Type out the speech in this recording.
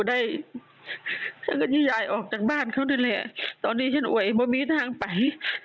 แม่ข้าทำลายเนี้ยชั้นก็ทำไง